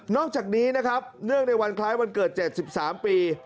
อกจากนี้นะครับเนื่องในวันคล้ายวันเกิด๗๓ปี